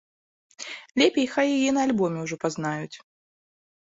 Лепей хай яе на альбоме ўжо пазнаюць.